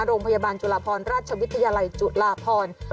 โรงพยาบาลจุฬาพรราชวิทยาลัยจุฬาพร